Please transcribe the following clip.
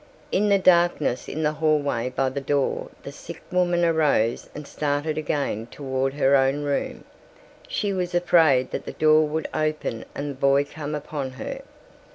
In the darkness in the hallway by the door the sick woman arose and started again toward her own room. She was afraid that the door would open and the boy come upon her.